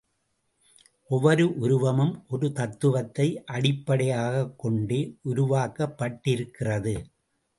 ஒவ்வொரு உருவமும் ஒரு தத்துவத்தை அடிப்படையாகக் கொண்டே உருவாக்கப்பட்டிருக்கிறது.